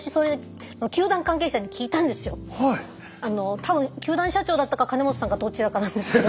多分球団社長だったか金本さんかどちらかなんですけど。